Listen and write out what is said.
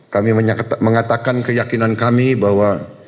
kami mengatakan keyakinan kami bahwa